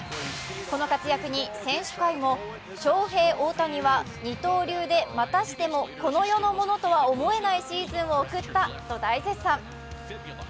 この活躍に選手会もショウヘイ・オオタニは二刀流でまたしてもこの世のものとは思えないシーズンを送ったと大絶賛。